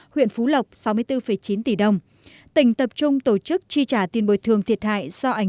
huyện phú lộc sáu mươi bốn chín tỷ đồng tỉnh tập trung tổ chức chi trả tiền bồi thường thiệt hại do ảnh